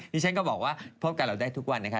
ที่ฉันก็บอกว่าพบกับเราได้ทุกวันนะคะ